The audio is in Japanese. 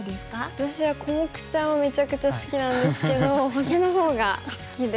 私はコモクちゃんはめちゃくちゃ好きなんですけど星のほうが好きで。